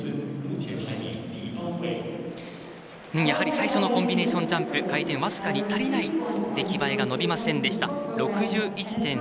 やはり最初のコンビネーションジャンプ回転僅かに足りない出来栄えが伸びませんでした。